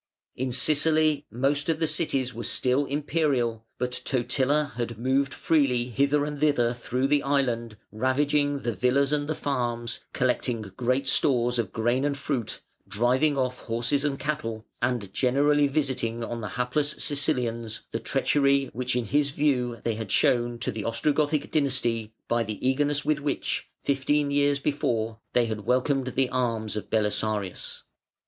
In Sicily most of the cities were still Imperial, but Totila had moved freely hither and thither through the island, ravaging the villas and the farms, collecting great stores of grain and fruit, driving off horses and cattle, and generally visiting on the hapless Sicilians the treachery which in his view they had shown to the Ostrogothic dynasty by the eagerness with which, fifteen years before, they had welcomed the arms of Belisarius.